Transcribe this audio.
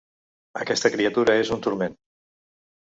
Aquesta criatura és un turment.